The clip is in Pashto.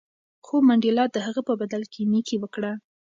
خو منډېلا د هغه په بدل کې نېکي وکړه.